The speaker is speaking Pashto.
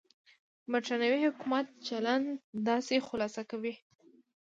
برېټانوي حکومت چلند داسې خلاصه کوي.